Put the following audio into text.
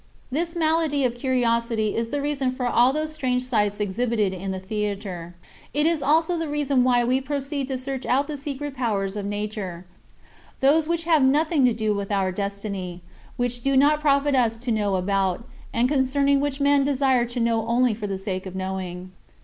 This malady of curiosity is the reason for all those strange sights exhibited in the theater. It is also the reason why we proceed to search out the secret powers of nature those which have nothing to do with our destiny which do not profit us to know about, and concerning which men desire to know only for the sake of knowing.